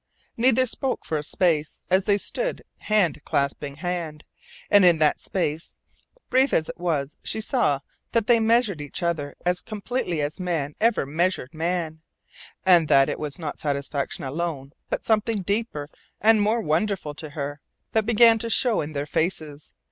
Neither spoke for a space, as they stood, hand clasping hand, and in that space, brief as it was, she saw that they measured each other as completely as man ever measured man; and that it was not satisfaction alone, but something deeper and more wonderful to her, that began to show in their faces.